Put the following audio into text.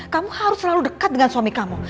kamu harus selalu dekat dengan suami kamu